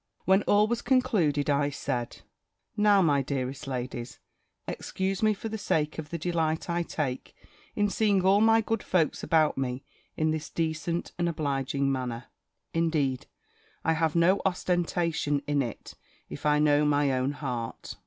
When all was concluded, I said, "Now, my dearest ladies, excuse me for the sake of the delight I take in seeing all my good folks about me in this decent and obliging manner. Indeed, I have no ostentation in it, if I know my own heart."